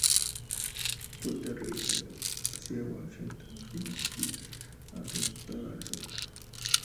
Cutter regresa así a Washington creyendo que el asunto estaba resuelto.